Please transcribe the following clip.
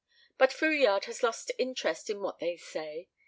But Fouillade has lost interest in what they say.